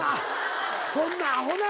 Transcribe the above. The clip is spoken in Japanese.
そんなアホな。